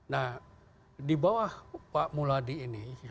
nah di bawah pak muladi ini